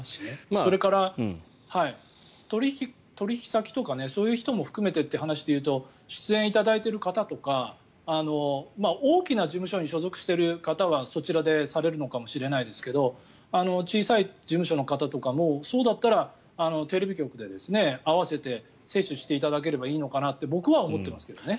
それから、取引先とかそういう人も含めてという話で行くと出演いただいている方とか大きな事務所に所属している方はそちらでされるのかもしれないですけど小さい事務所の方とかもそうだったらテレビ局で併せて接種していただければいいのかなって僕は思ってますけどね。